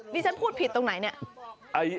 ฉันพูดผิดตรงไหนเนี่ย